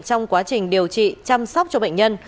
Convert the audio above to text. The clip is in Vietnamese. trong quá trình điều trị chăm sóc cho bệnh nhân